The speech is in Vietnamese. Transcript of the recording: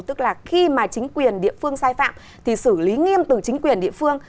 tức là khi mà chính quyền địa phương sai phạm thì xử lý nghiêm từ chính quyền địa phương